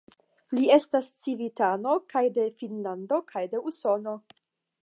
Li estas civitano kaj de Finnlando kaj de Usono.